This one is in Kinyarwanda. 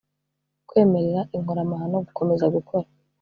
kwemerera inkoramahano gukomeza gukora